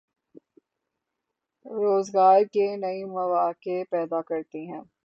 روزگار کے نئے مواقع پیدا کرتی ہے۔